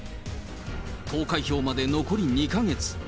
投開票まで残り２か月。